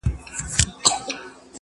خپل لویې موږک ته اوه سره بلا سوه,